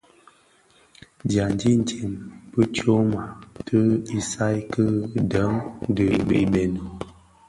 Dyandi itsem bi tyoma ti isaï ki dèň dhi ibëňi.